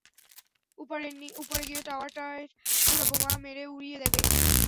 উপরে গিয়ে টাওয়ারটার চূড়া বোমা মেরে উড়িয়ে দেবে!